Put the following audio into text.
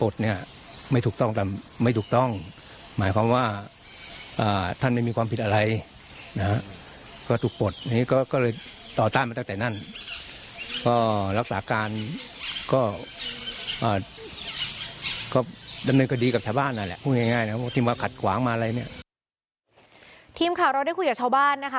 ทีมข่าวเราได้คุยกับชาวบ้านนะคะ